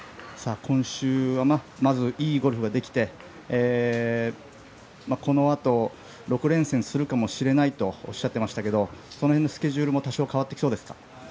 今週はまず、いいゴルフができてこのあと６連戦するかもしれないとおっしゃっていましたけどその辺のスケジュールも多少変わってきそうですか？